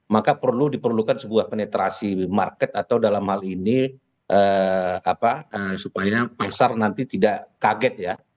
maka perlu diperlukan sebuah penetrasi market atau dalam hal ini supaya pasar nanti tidak kaget ya